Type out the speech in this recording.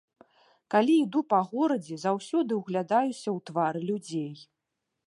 Калі іду па горадзе, заўсёды ўглядаюся ў твары людзей.